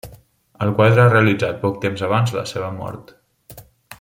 El quadre ha realitzat poc temps abans la seva mort.